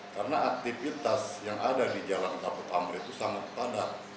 karena aktivitas yang ada di jalan ketaput kamau itu sangat padat